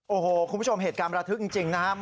โอ้โหคุณผู้ชมเหตุการณ์ประทึกจริงนะครับ